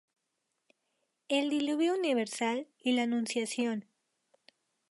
El diluvio universal" y la "Anunciación".